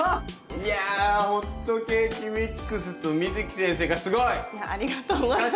いやホットケーキミックスとＭｉｚｕｋｉ先生がすごい！いやありがとうございます。